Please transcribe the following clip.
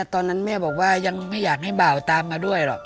ตอนนั้นแม่บอกว่ายังไม่อยากให้บ่าวตามมาด้วยหรอก